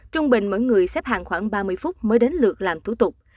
trung bình mỗi người xếp hàng khoảng ba mươi phút mới đến lượt làm thủ tục